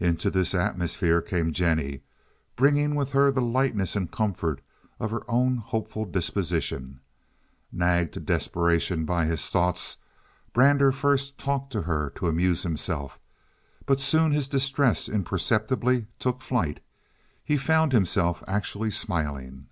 Into this atmosphere came Jennie, bringing with her the lightness and comfort of her own hopeful disposition. Nagged to desperation by his thoughts, Brander first talked to her to amuse himself; but soon his distress imperceptibly took flight; he found himself actually smiling.